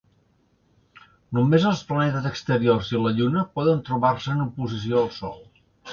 Només els planetes exteriors i la Lluna poden trobar-se en oposició al Sol.